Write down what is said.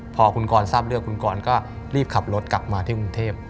พอคุณกรทราบเรื่องคุณกรก็รีบขับรถกลับมาที่กรุงเทพ